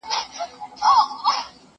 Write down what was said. هغه څوک چي موسيقي اوري آرام وي؟